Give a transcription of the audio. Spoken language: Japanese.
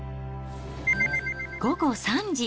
午後３時。